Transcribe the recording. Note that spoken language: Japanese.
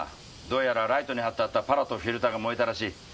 どうやらライトにはってあったパラとフィルターが燃えたらしい。